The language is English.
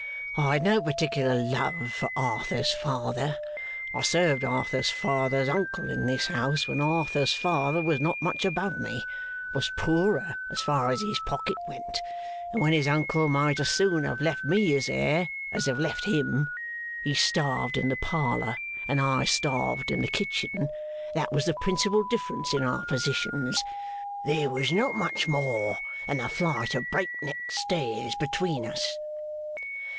I had no particular love for Arthur's father. I served Arthur's father's uncle, in this house, when Arthur's father was not much above me was poorer as far as his pocket went and when his uncle might as soon have left me his heir as have left him. He starved in the parlour, and I starved in the kitchen; that was the principal difference in our positions; there was not much more than a flight of breakneck stairs between us.